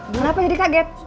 kenapa jadi kaget